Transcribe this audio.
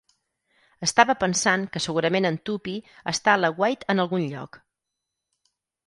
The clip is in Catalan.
Estava pensant que segurament en Tuppy està a l'aguait en algun lloc.